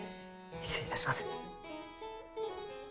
失礼いたします。